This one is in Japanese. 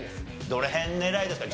どの辺狙いですか？